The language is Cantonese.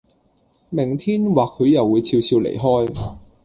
明天或許又會俏俏離開